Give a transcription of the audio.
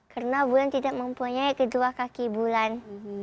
karena bulan tidak mempunyai kedua kaki bulan